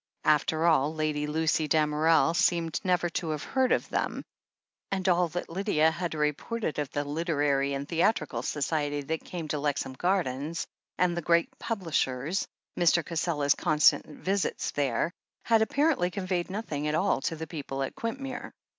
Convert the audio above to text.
After all. Lady Lucy Dam THE HEEL OF ACHILLES 289 erel seemed never to have heard of them, and all that Lydia had reported of the literary and theatrical society that came to Lexham Gardens, and the great publish er's, Mr. Cassela's constant visits there, had apparently conveyed nothing at all to the people at Quintmere.